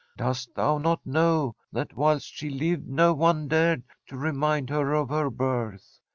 Dost thou not know that whilst she lived no one dared to re mind her of her birth?